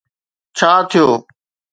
ڇا ٿيو؟